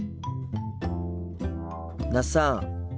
那須さん。